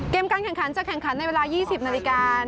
การแข่งขันจะแข่งขันในเวลา๒๐นาฬิกา